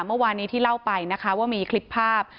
เมื่อวานนี้ที่เล่าไปนะคะว่ามีคลิปภาพ